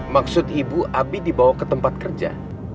maksud ibu abi dibawa ke tempat kerja